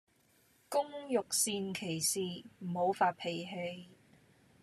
工欲善其事,唔好發脾氣